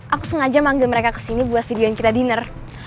aku sengaja manggil mereka kesini buat videoin kita dinner